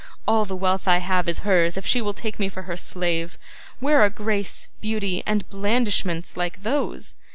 All the wealth I have is hers if she will take me for her slave. Where are grace, beauty, and blandishments, like those?